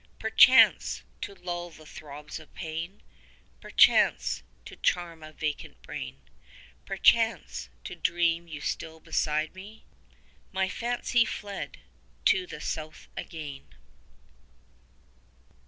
Perchance, to lull the throbs of pain, 105 Perchance, to charm a vacant brain, Perchance, to dream you still beside me, My fancy fled to the South again.